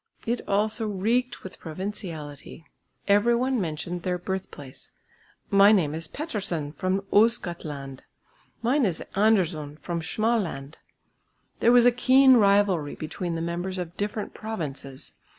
It also reeked with provinciality. Every one mentioned their birthplace, "My name is Pettersson, from Ostgothland," "Mine is Andersson, from Småland." There was a keen rivalry between the members of different provinces.